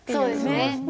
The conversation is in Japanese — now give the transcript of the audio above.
そうですね。